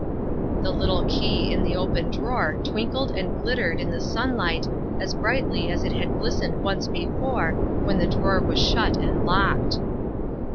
'' The little key in the open drawer twinkled and glit tered in the sunlight as brightly as it had glistened once before when the drawer was shut and locked.